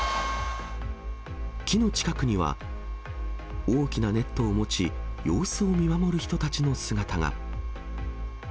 木の近くには、大きなネットを持ち、様子を見守る人たちの姿が。